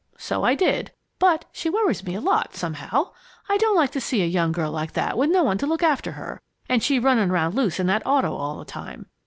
So I did, but she worries me a lot, somehow. I don't like to see a young girl like that with no one to look after her, and she running around loose in that auto all the time.